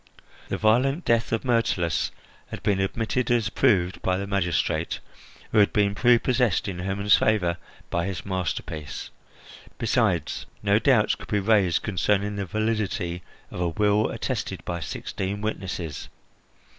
The violent death of Myrtilus had been admitted as proved by the magistrate, who had been prepossessed in Hermon's favour by his masterpiece. Besides, no doubts could be raised concerning the validity of a will attested by sixteen witnesses.